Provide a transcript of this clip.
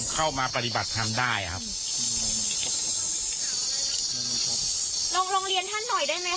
จากปากของท่านเองนิดนึงได้มั้ย